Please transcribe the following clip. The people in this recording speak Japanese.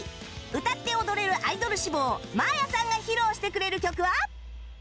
歌って踊れるアイドル志望 ｍａａｙａ さんが披露してくれる曲は？